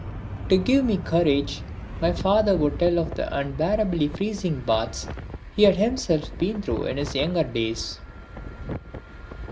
To give me courage my father would tell of the unbearably freezing baths he had himself been through in his younger days.